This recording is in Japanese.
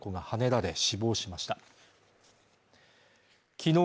きのう